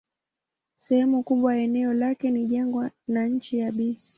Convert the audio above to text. Sehemu kubwa ya eneo lake ni jangwa na nchi yabisi.